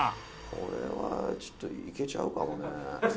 「これはちょっといけちゃうかもね」